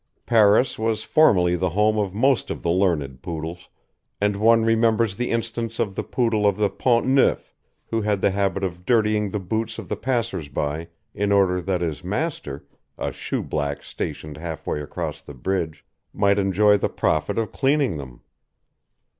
Paris was formerly the home of most of the learned Poodles, and one remembers the instance of the Poodle of the Pont Neuf, who had the habit of dirtying the boots of the passers by in order that his master a shoe black stationed half way across the bridge might enjoy the profit of cleaning them.